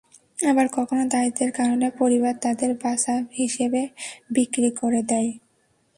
আবার কখনো দারিদ্র্যের কারণে পরিবার তাদের বাচা হিসেবে বিক্রি করে দেয়।